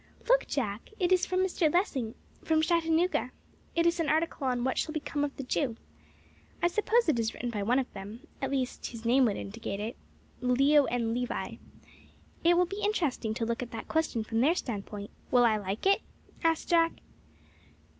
"Look, Jack! It is from Mr. Lessing, from Chattanooga. It is an article on 'What shall become of the Jew?' I suppose it is written by one of them, at least his name would indicate it Leo N. Levi. It will be interesting to look at that question from their standpoint." "Will I like it?" asked Jack.